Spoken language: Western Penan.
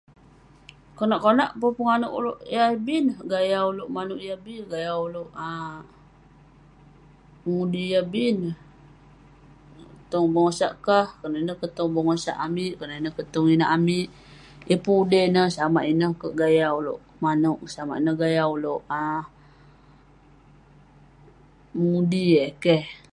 Konak konak peh penganouk ulouk yah bi neh, gaya ulouk manouk yah bi, gaya ulouk um mengundi yah bi neh..tong bengosak kah, konak ineh keh tong bengosak amik, konak ineh keh tong inak amik..yeng pun ude neh, samak ineh kerk gaya ulouk manouk ,samak ineh gaya ulouk um mengundi eh, keh.